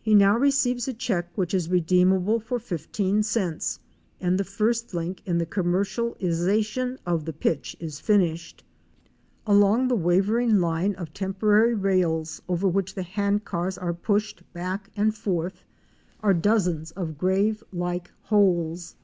He now receives a check which is redeemable for fifteen cents and the first link in the commercialization of the pitch is finished. Along the wavering line of tem porary rails over which the hand cars are pushed back and A WOMAN'S EXPERIENCES IN VENEZUELA. 95 forth, are dozens of grave like holes.